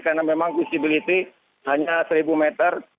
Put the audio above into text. karena memang possibility hanya seribu meter